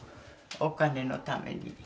お金のために。